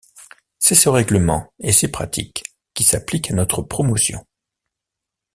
C'est ce règlement et ces pratiques qui s'appliquent à notre promotion.